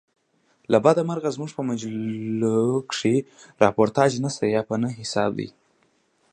له بده مرغه زموږ په مجلوکښي راپورتاژ نسته یا په نه حساب دئ.